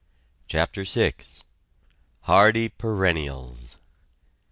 CHAPTER VI HARDY PERENNIALS!